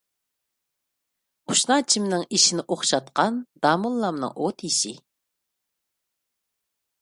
قۇشناچىمنىڭ ئېشىنى ئوخشاتقان داموللامنىڭ ئوتيېشى.